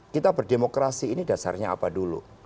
kita berdemokrasi ini dasarnya apa dulu